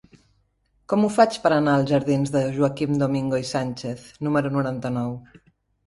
Com ho faig per anar als jardins de Joaquim Domingo i Sánchez número noranta-nou?